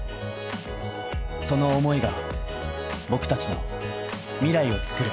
その思いが僕達の未来をつくる